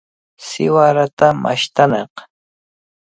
Siwarata mashtanaq.